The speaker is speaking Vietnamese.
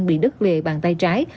bị đứt lìa bàn tay trái